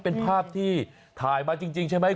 เป็นภาพที่ถ่ายมาจริงใช่ไหม